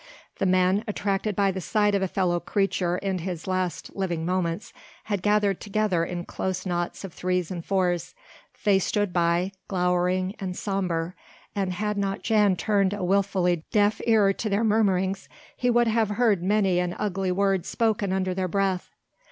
The men, attracted by the sight of a fellow creature in his last living moments, had gathered together in close knots of threes and fours. They stood by, glowering and sombre, and had not Jan turned a wilfully deaf ear to their murmurings he would have heard many an ugly word spoken under their breath.